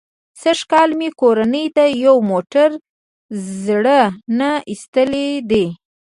سږ کال مې کورنۍ ته یو موټر زړه نه ایستلی دی.